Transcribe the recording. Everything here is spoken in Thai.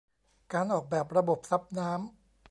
การออกแบบระบบซับน้ำ